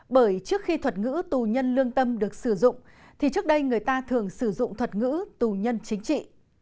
bởi trước khi thuật ngữ tù nhân lương tâm được sử dụng thì trước đây người ta thường sử dụng thuật ngữ tù nhân chính trị